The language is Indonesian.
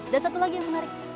dan satu lagi yang menarik